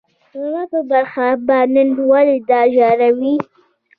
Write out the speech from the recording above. زما په برخه به نن ولي دا ژړاوای